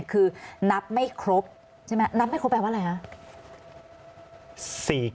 คือนับไม่ครบใช่ไหมนับไม่ครบแปลว่าอะไรคะ